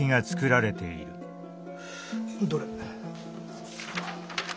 どれ。